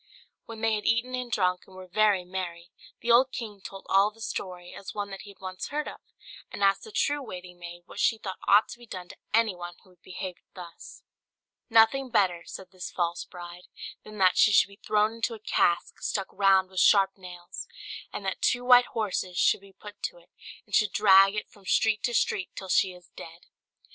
When they had eaten and drunk, and were very merry, the old king told all the story, as one that he had once heard of, and asked the true waiting maid what she thought ought to be done to anyone who would behave thus. "Nothing better," said this false bride, "than that she should be thrown into a cask stuck round with sharp nails, and that two white horses should be put to it, and should drag it from street to street till she is dead."